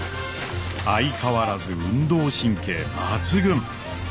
相変わらず運動神経抜群！